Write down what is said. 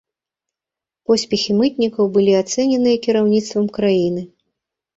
Поспехі мытнікаў былі ацэненыя кіраўніцтвам краіны.